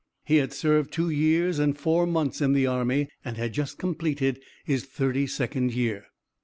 He had served two years and four months in the army, and had just completed his thirty second year.